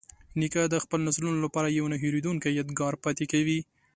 نیکه د خپلو نسلونو لپاره یوه نه هیریدونکې یادګار پاتې کوي.